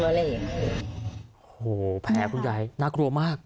โอ้โหแผลคุณยายน่ากลัวมาก